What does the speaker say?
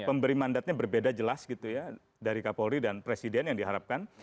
jadi pemberi mandatnya berbeda jelas gitu ya dari kapolri dan presiden yang diharapkan